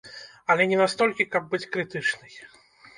Але не настолькі, каб быць крытычнай.